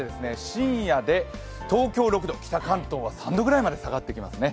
深夜で東京６度、北関東は３度ぐらいまで下がってきますね。